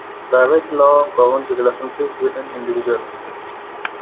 Private law governs relationships between individuals.